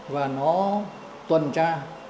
và nó tuần tra